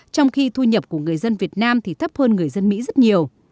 trong khi thu nhập của người dân việt nam thì thấp hơn người dân mỹ rất nhiều